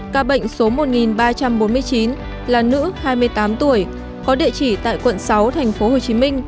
ca bệnh số một ba trăm bốn mươi chín là nữ hai mươi tám tuổi có địa chỉ tại quận sáu tp hcm